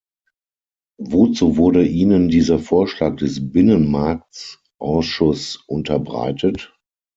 Wozu wurde Ihnen dieser Vorschlag des Binnenmarktsausschuss unterbreitet?